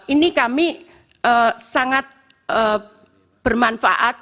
ini kami sangat bermanfaat